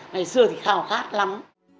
ngày xưa thì khảo khát lắm